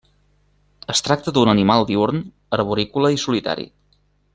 Es tracta d'un animal diürn, arborícola i solitari.